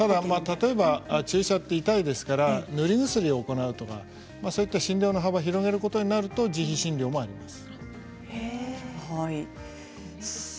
例えば注射って痛いですから塗り薬をもらうとかそういった診療の幅を広げることになると自由診療もあります。